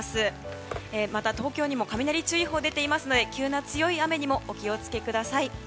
また、東京にも雷注意報が出ていますので急な強い雨にもお気をつけください。